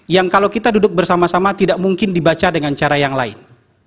yang kalau kita duduk bersama sama tidak mungkin dibaca dengan cara yang lain